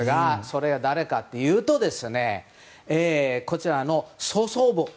それは、誰かというとこちらの曽祖母。